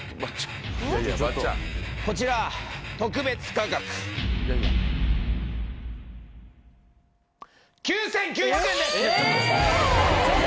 こちら特別価格９９００円です